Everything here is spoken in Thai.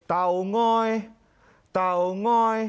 เต่าง้อยเต่าง้อย